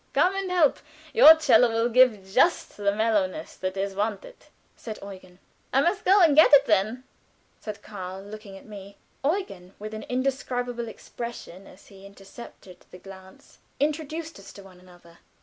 "Come and help! Your 'cello will give just the mellowness that is wanted," said Eugen. "I must go and get it then," said Karl, looking at me. Eugen, with an indescribable expression as he intercepted the glance, introduced us to one another.